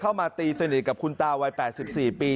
มาตีสนิทกับคุณตาวัย๘๔ปี